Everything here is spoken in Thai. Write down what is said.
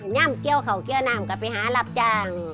นั่มเกี่ยวเขาเกี่ยวนำโอ้จัง